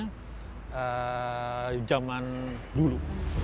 ini adalah perusahaan yang berguna di jaman dulu